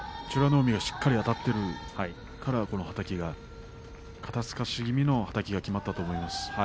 海がしっかりあたっていたからこそ肩すかし気味のはたきが決まったと思います。